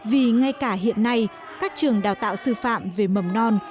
vì ngay cả hiện nay các trường đào tạo sư phạm về mầm non